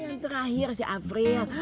yang terakhir si afril